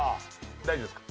大丈夫ですか？